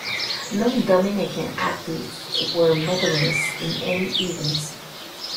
No Dominican athletes were medalists in any events.